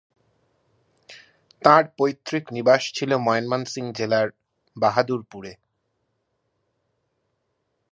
তাঁর পৈতৃক নিবাস ছিল ময়মনসিংহ জেলার বাহাদুরপুরে।